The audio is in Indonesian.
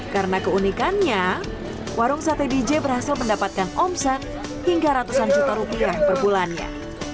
karena keunikannya warung sate dj berhasil mendapatkan omset hingga ratusan juta rupiah perbulannya